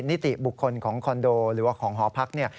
นิติบุคคลของคอนโดหรือว่าของหอพักเนี่ย